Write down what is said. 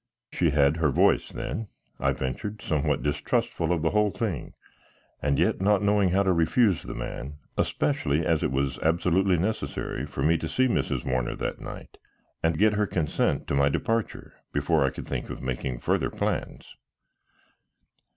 "She had her voice then?" I ventured, somewhat distrustful of the whole thing and yet not knowing how to refuse the man, especially as it was absolutely necessary for me to see Mrs. Warner that night and get her consent to my departure before I could think of making further plans.